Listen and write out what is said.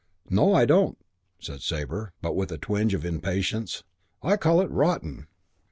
"No, I don't," said Sabre, but with a tinge of impatience. "I call it rotten."